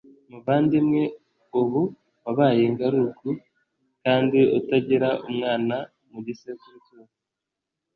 muvandimwe, ubu wabaye ingaragu kandi utagira umwana mu gisekuru cyose